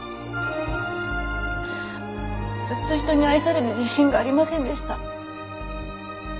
ずっと人に愛される自信がありませんでした。